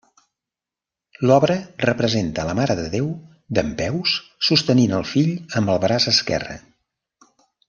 L'obra representa la Mare de Déu dempeus sostenint el fill amb el braç esquerre.